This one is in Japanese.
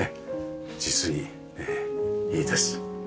実にいいです。